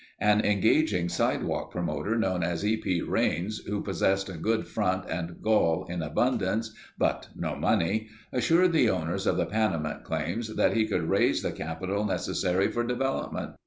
An engaging sidewalk promoter known as E. P. Raines, who possessed a good front and gall in abundance, but no money, assured the owners of the Panamint claims that he could raise the capital necessary for development.